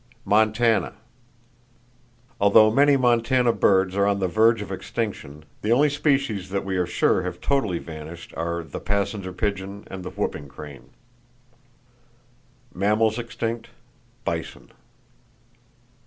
Montana: Although many Montana birds are on the verge of extinction, the only species that we are sure have totally vanished are the passenger pigeon and whooping crane. Mammals extinct, bison.